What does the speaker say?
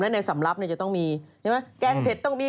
และในสำลับจะต้องมีแกงเพชรต้องมี